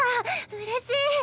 うれしい！